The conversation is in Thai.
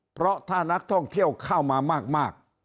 เพราะถ้านักท่องเที่ยวเข้ามามาก